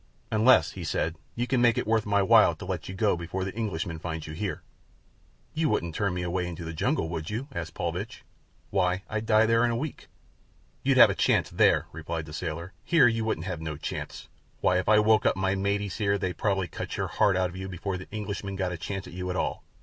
"Unless," he said, "you can make it worth my while to let you go before the Englishman finds you here." "You wouldn't turn me away in the jungle, would you?" asked Paulvitch. "Why, I'd die there in a week." "You'd have a chance there," replied the sailor. "Here, you wouldn't have no chance. Why, if I woke up my maties here they'd probably cut your heart out of you before the Englishman got a chance at you at all.